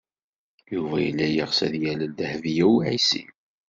Yuba yella yeɣs ad yalel Dehbiya u Ɛisiw.